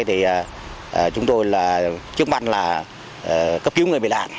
thì chúng tôi chứng minh là cấp cứu người bị nạn